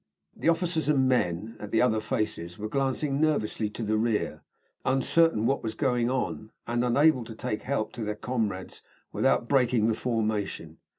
The officers and men at the other faces were glancing nervously to the rear, uncertain what was going on, and unable to take help to their comrades without breaking the formation.